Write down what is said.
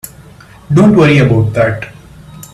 Don't worry about that.